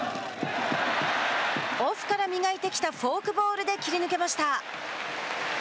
オフから磨いてきたフォークボールで切り抜けました。